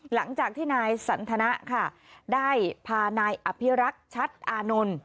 หลังจากที่นายสันทนะค่ะได้พานายอภิรักษ์ชัดอานนท์